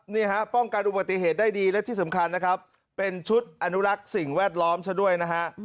นี่ฮะป้องกันอุบัติเหตุได้ดีและที่สำคัญนะครับเป็นชุดอนุรักษ์สิ่งแวดล้อมซะด้วยนะฮะ